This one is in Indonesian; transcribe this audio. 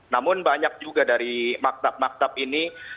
namun banyak juga dari maktab maktab ini